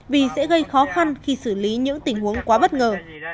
vì sẽ gây khó khăn khi xử lý những tình huống quá bất ngờ